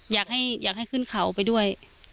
อยากให้ขึ้นเขาไปด้วย